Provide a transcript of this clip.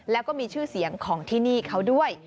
แล้วก็มีชื่อเสียงของที่นี่เขาด้วย